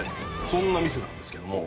そんな店なんですけども。